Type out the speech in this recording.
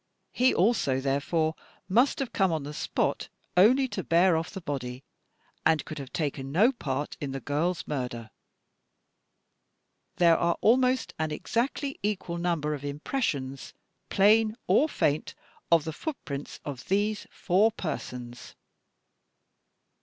He also, therefore, must have come on the spot only to bear oflf the body, and could have taken no part in the girl's murder. "There are almost an exactly equal number of impressions, plain or faint, of the footprints of these four persons.